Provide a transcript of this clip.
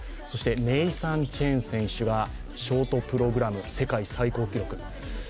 そして、ネイサン・チェン選手がショートプログラム世界最高記録。